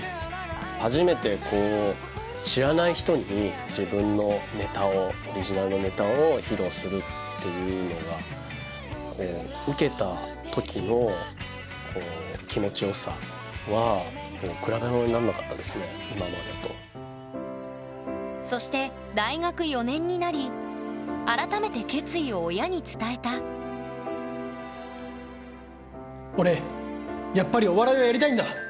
初めて知らない人に自分のネタをオリジナルのネタを披露するっていうのがそして大学４年になり改めて決意を親に伝えた俺やっぱりお笑いをやりたいんだ！